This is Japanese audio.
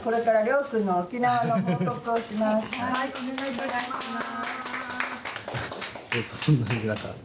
お願いいたします。